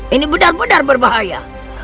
ini benar benar berbahaya